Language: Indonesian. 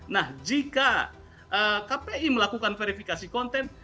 nah jika kpi melakukan verifikasi konten